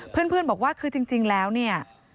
เพื่อนบอกว่าคือจริงแล้วเนี่ย